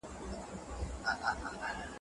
غلي شئ! غوږ ونیسئ څرنګه ځګيرویږي وطن